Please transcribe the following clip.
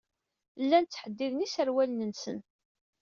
Llan ttḥeddiden iserwalen-nsen.